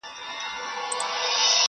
زنګول مي لا خوبونه د زلمیو شپو په ټال کي!